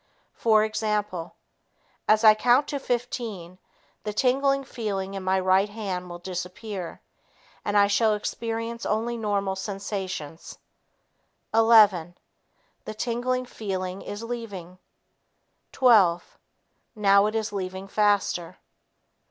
For example, "As I count to 15, the tingling feeling in my right hand will disappear, and I shall experience only normal sensations. Eleven ... The tingling feeling is leaving. Twelve ... Now it is leaving faster.